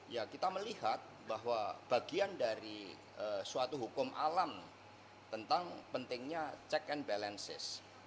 ya kita melihat bahwa bagian dari suatu hukum alam tentang pentingnya check and balances